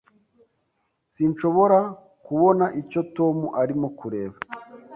Sinshobora kubona icyo Tom arimo kureba.